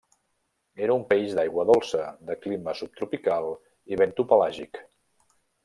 Era un peix d'aigua dolça, de clima subtropical i bentopelàgic.